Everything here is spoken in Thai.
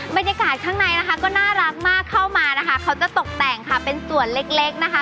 บรรยากาศข้างในนะคะก็น่ารักมากเข้ามานะคะเขาจะตกแต่งค่ะเป็นส่วนเล็กเล็กนะคะ